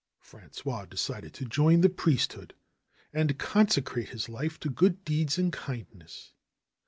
Prangois decided to join the priesthood and consecrate his life to good deeds and kindness.